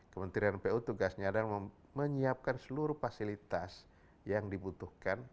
kementerian pu tugasnya adalah menyiapkan seluruh fasilitas yang dibutuhkan